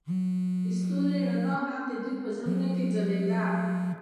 د ستوري رڼا هم د دوی په زړونو کې ځلېده.